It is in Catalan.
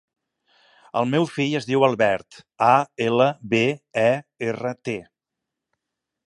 El meu fill es diu Albert: a, ela, be, e, erra, te.